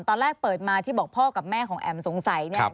ตอนแรกเปิดมาที่บอกพ่อกับแม่ของแอ๋มสงสัยเนี่ย